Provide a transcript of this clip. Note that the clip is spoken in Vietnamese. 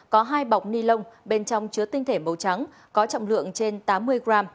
có hai bọc ni lông bên trong chứa tinh thể màu trắng có trọng lượng trên tám mươi gram